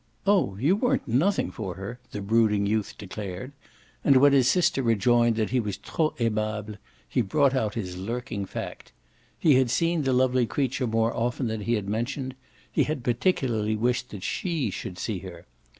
"Oh you weren't nothing for her!" the brooding youth declared; and when his sister rejoined that he was trop aimable he brought out his lurking fact. He had seen the lovely creature more often than he had mentioned; he had particularly wished that SHE should see her.